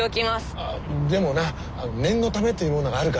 あでもな念のためというものがあるからな。